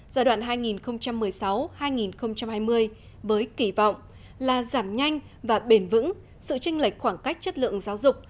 giai đoạn hai nghìn một mươi sáu hai nghìn hai mươi với kỳ vọng là giảm nhanh và bền vững sự tranh lệch khoảng cách chất lượng giáo dục